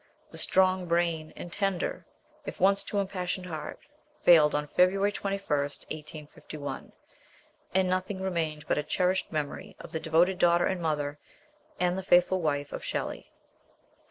The strong brain, and tender, if once too impassioned heart, failed on February 21, 1851, and nothing remained but a cherished memory of the devoted daughter and mother, and the faithful wife of Shelley.